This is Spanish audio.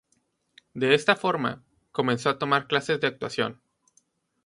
De esta forma, comenzó a tomar clases de actuación.